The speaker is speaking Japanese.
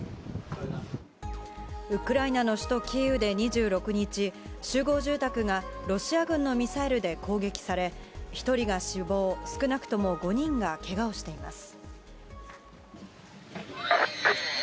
ウクライナの首都キーウで２６日、集合住宅がロシア軍のミサイルで攻撃され、１人が死亡、少なくとも５人がけがをしています。